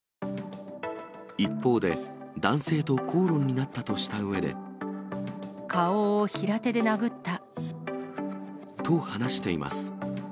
一方で男性と口論になったとしたうえで。顔を平手で殴った。と話しています。